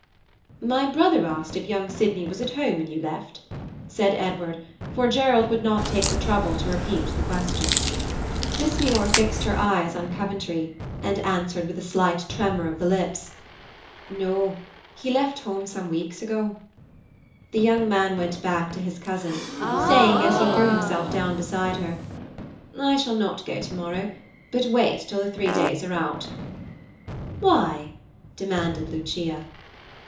"My brother asked if young Sydney was at home when you left," said Edward, for Gerald would not take the trouble to repeat the question. Miss Muir fixed her eyes on Coventry, and answered with a slight tremor of the lips, "No, he left home some weeks ago." The young man went back to his cousin, saying, as he threw himself down beside her, "I shall not go tomorrow, but wait till the three days are out." "Why?" demanded Lucia.